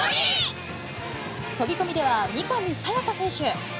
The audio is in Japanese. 飛込では三上紗也可選手。